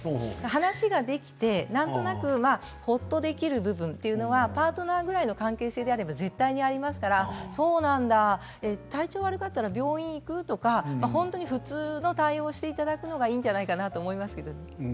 話ができて、なんとなくほっとできる部分というのはパートナーぐらいの関係性であれば、絶対にありますからそうなんだ、体調が悪かったら病院に行く？とか本当に普通の対応をしていただくのがいいんじゃないかなと思います。